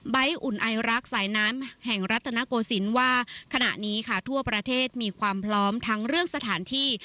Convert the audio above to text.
อุ่นไอรักสายน้ำแห่งรัฐนโกศิลป์ว่าขณะนี้ค่ะทั่วประเทศมีความพร้อมทั้งเรื่องสถานที่